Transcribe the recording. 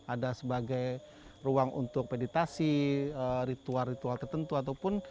ada sebagai ruang untuk meditasi ritual ritual tertentu ataupun